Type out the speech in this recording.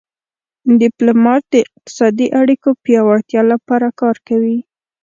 ډیپلومات د اقتصادي اړیکو پیاوړتیا لپاره کار کوي